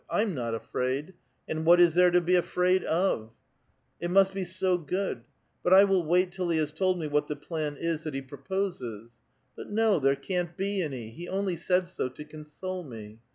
I'm not afraid ! And what is there to be afraid of ? It must be so good ! But I will wait till he has told me what the plan is that he proposes. But no, there can't be any ; he only said so to console me.